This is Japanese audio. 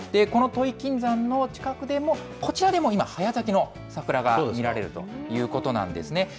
この土肥金山の近くでも、こちらでも今、早咲きの桜が見られるということなんですね。